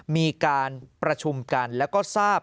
มีการประชุมกันแล้วก็ทราบ